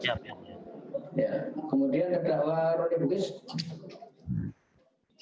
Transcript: kemudian terhadap rolimukis